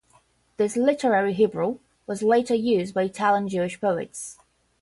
This literary Hebrew was later used by Italian Jewish poets.